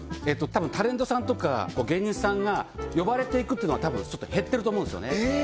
たぶんタレントさんとか芸人さんが呼ばれて行くっていうのはたぶんちょっと減ってると思うんですよね